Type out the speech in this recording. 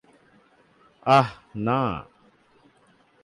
আহহ, না।